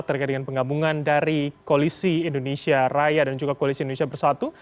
terkait dengan penggabungan dari koalisi indonesia raya dan juga koalisi indonesia bersatu